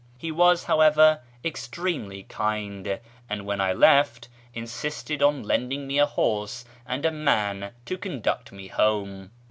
He was, however, extremely kind ; and when I left, insisted on lending me a horse and a man to conduct me home.